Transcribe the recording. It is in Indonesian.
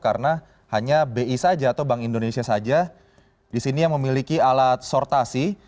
karena hanya bi saja atau bank indonesia saja disini yang memiliki alat sortasi